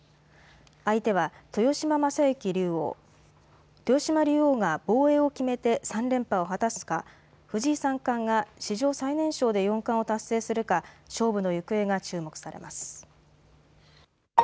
相手は豊島将之竜王を豊島竜王が防衛を決めて３連覇を果たすか、藤井三冠が史上最年少で４冠を達成するか、勝負の行方が注目されます。